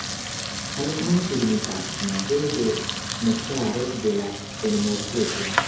La loknomo signifas: "Naĝejo de Nektaro de la Senmorteco".